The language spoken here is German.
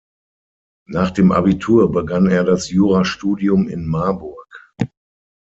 Nach dem Abitur begann er das Jurastudium in Marburg.